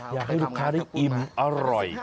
อยากให้ลูกค้าได้อิ่มอร่อย